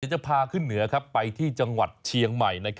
จะพาขึ้นเหนือไปที่จังหวัดเชียงใหม่